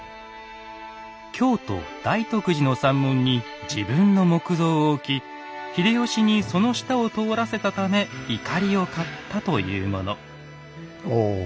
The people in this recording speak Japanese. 京都・大徳寺の三門に自分の木像を置き秀吉にその下を通らせたため怒りを買ったというもの。